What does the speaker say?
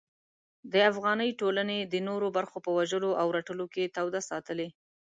د افغاني ټولنې د نورو برخو په وژلو او رټلو کې توده ساتلې.